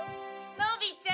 のびちゃん。